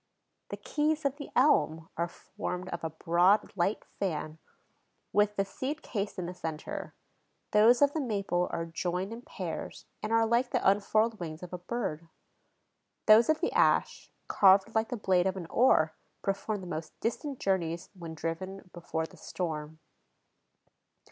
The "keys" of the elm are formed of a broad, light fan with the seed cased in the center; those of the maple are joined in pairs and are like the unfurled wings of a bird; those of the ash, carved like the blade of an oar, perform the most distant journeys when driven before the storm.